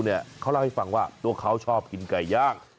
เขาเล่าให้ฟังว่าตัวเขาชอบกินไก่ย่าง